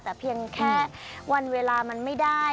แต่เพียงแค่วันเวลามันไม่ได้